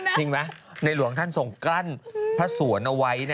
จริงไหมในหลวงท่านทรงกลั้นพระสวนเอาไว้